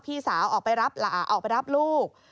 พี่สาวออกไปรับออกไปรับลูก